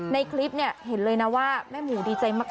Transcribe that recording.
ในคลิปเนี่ยเห็นเลยนะว่าแม่หมูดีใจมาก